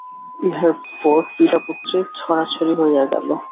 ইহার পর পিতাপুত্রে ছাড়াছাড়ি হইয়া গেল।